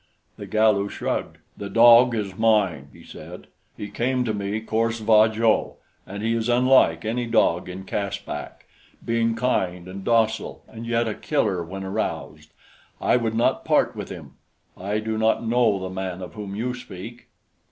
The Galu shrugged. "The dog is mine," he said. "He came to me cor sva jo, and he is unlike any dog in Caspak, being kind and docile and yet a killer when aroused. I would not part with him. I do not know the man of whom you speak."